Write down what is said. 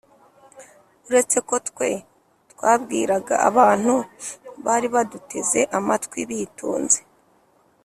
Uretse ko twe twabwiraga abantu bari baduteze amatwi bitonze